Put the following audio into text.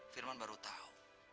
firman baru tahu